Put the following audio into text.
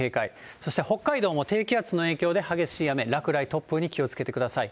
そして、北海道も低気圧の影響で、激しい雨、落雷、突風に気をつけてください。